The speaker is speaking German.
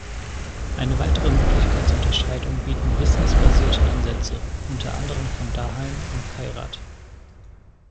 Eine weitere Möglichkeit zur Unterscheidung bieten wissensbasierte Ansätze, unter anderem von Daheim und Kairat.